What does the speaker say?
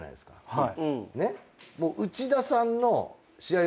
はい。